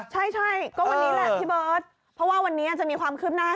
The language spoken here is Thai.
ใช่ก็วันนี้แหละพี่เบิร์ตเพราะว่าวันนี้จะมีความคืบหน้า